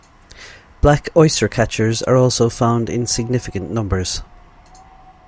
black oystercatchers are also found in significant numbers.